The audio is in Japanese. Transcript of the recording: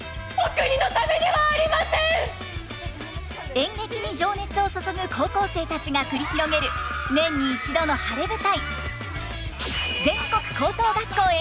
演劇に情熱を注ぐ高校生たちが繰り広げる年に一度の晴れ舞台。